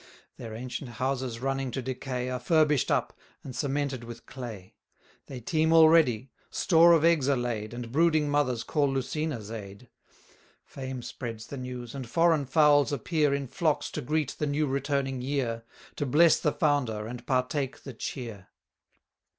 Their ancient houses running to decay, Are furbish'd up, and cemented with clay; 580 They teem already; store of eggs are laid, And brooding mothers call Lucina's aid. Fame spreads the news, and foreign fowls appear In flocks to greet the new returning year, To bless the founder, and partake the cheer.